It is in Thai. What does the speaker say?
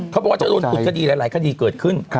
เขาบอกว่าจะโดนขุดคดีหลายคดีเกิดขึ้น